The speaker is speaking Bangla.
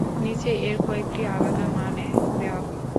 নিচে এর কয়েকটি আলাদা মানে দেওয়া হল।